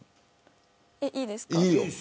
いいですか。